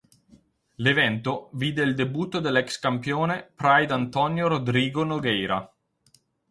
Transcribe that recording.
L'evento vide il debutto dell'ex campione Pride Antônio Rodrigo Nogueira.